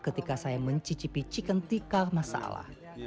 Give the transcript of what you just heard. ketika saya mencicipi ciken tika masala